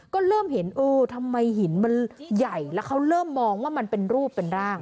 ก็เริ่มเห็นเออทำไมหินมันใหญ่แล้วเขาเริ่มมองว่ามันเป็นรูปเป็นร่าง